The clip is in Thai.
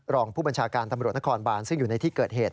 รองผู้บัญชาการตำรวจนครบานซึ่งอยู่ในที่เกิดเหตุ